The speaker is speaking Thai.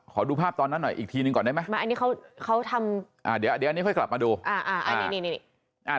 ขอดูภาพตอนนั้นหน่อยอีกทีหนึ่งก่อนได้ไหมเดี๋ยวอันนี้ค่อยกลับมาดู